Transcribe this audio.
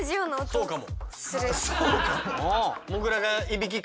そうかも。